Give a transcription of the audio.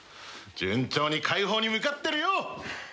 順調に快方に向かってるよ！